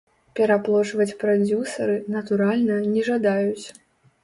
Пераплочваць прадзюсары, натуральна, не жадаюць.